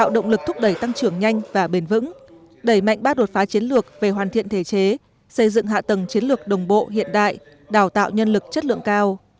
đẩy mạnh bác đột phá chiến lược về hoàn thiện thể chế xây dựng hạ tầng chiến lược đồng bộ hiện đại đào tạo nhân lực chất lượng cao